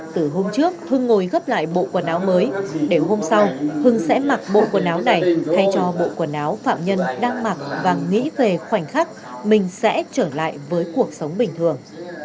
từ hôm trước hưng ngồi gấp lại bộ quần áo mới để hôm sau hưng sẽ mặc bộ quần áo này thay cho bộ quần áo phạm nhân đang mặc và nghĩ về khoảnh khắc mình sẽ trở lại với cuộc sống bình thường